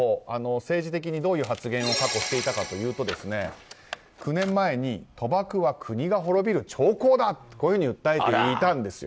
政治的にどういう発言を過去、していたかというと９年前に賭博は国が滅びる兆候だと訴えていたんです。